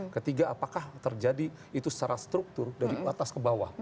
ketiga apakah terjadi itu secara struktur dari atas ke bawah